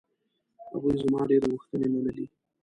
هغوی زما ډېرې غوښتنې منلې.